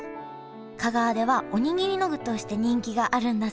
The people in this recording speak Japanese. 香川ではおにぎりの具として人気があるんだそうです。